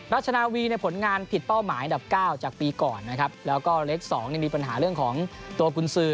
ราชนาวีในผลงานผิดเป้าหมายอันดับเก้าจากปีก่อนนะครับแล้วก็เล็ก๒มีปัญหาเรื่องของตัวกุญสือ